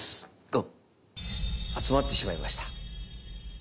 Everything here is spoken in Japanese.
集まってしまいました。